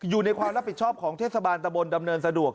อยู่ในความรับผิดชอบของเทศบาลตะบนดำเนินสะดวก